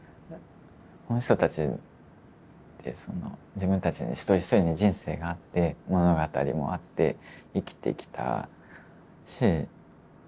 その人たちって自分たち一人一人に人生があって物語もあって生きてきたし